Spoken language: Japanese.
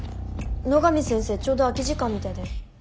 野上先生ちょうど空き時間みたいだよ。